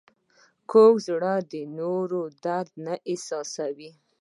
کوږ زړه د نورو درد نه احساسوي